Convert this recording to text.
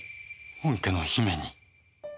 本家の姫に。